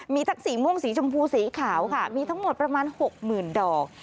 มีทั้งสีม่วงสีชมพูสีขาวค่ะมีทั้งหมดประมาณ๖๐๐๐ดอก